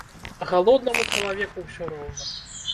Галоднаму чалавеку ўсё роўна.